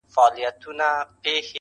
کومه ورځ به پر دې قوم باندي رڼا سي.!